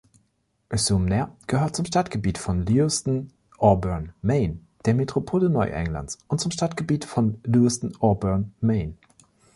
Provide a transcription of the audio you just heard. Sumner gehört zum Stadtgebiet von Lewiston-Auburn, Maine, der Metropole Neuenglands und zum Stadtgebiet von Lewiston-Auburn, Maine.